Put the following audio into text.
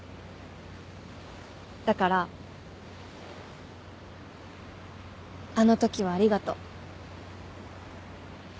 だからあのときはありがとう。